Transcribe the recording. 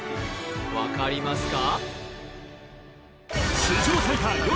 分かりますか？